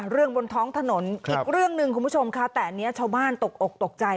บนท้องถนนอีกเรื่องหนึ่งคุณผู้ชมค่ะแต่อันนี้ชาวบ้านตกอกตกใจ